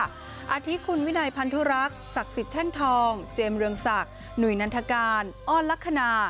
อาทิตย์คุณวินัยพันธุรักษ์ศักดิ์สิทธิแท่นทองเจมส์เรืองศักดิ์หนุ่ยนันทการอ้อนลักษณะ